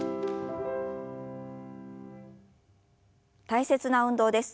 大切な運動です。